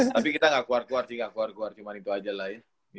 tapi kita enggak keluar keluar sih enggak keluar keluar cuman itu aja lah ya